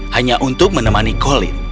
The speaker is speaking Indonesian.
hanya untuk menemani colin